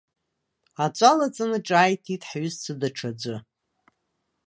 Аҵәы алаҵаны ҿааиҭит ҳҩызцәа даҽаӡәы.